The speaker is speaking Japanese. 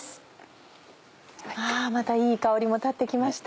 またいい香りも立って来ました。